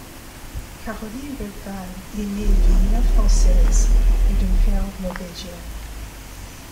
Caroline Bergvall est née d'une mère française et d'un père norvégien.